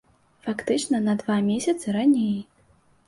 Фактычна на два месяцы раней.